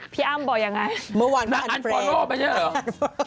พี่อ้ำบอกอย่างไรเมื่อวานพระอันฟรีพระอันฟรีรอบไปใช่หรือ